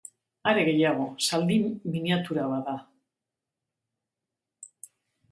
Are gehiago, zaldi miniatura bat da.